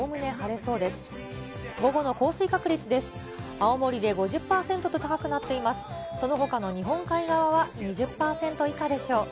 そのほかの日本海側は２０％以下でしょう。